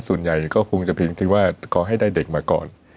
ส่วนใหญ่ก็คงจะเพียงที่ว่าขอให้ได้เด็กมาก่อน